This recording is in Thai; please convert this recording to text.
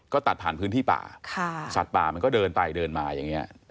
ก็ตัดผ่านพื้นที่ป่าสัตว์ป่ามันก็เดินไปเดินมาอย่างนี้